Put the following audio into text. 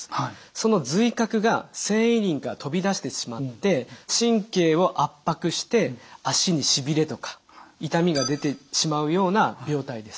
その髄核が線維輪から飛び出してしまって神経を圧迫して脚にしびれとか痛みが出てしまうような病態です。